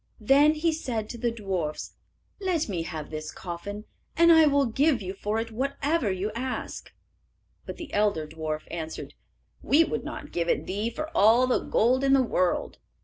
Then he said to the dwarfs, "Let me have this coffin, and I will give you for it whatever you ask." But the elder dwarf answered, "We would not give it thee for all the gold in the world."